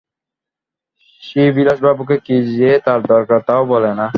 শ্রীবিলাসবাবুকে কী যে তার দরকার তাও বলে না।